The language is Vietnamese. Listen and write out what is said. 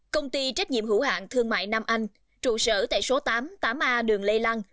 công ty trách nhiệm hữu hạng thương mại nam anh trụ sở tại số tám tám a đường lê lăng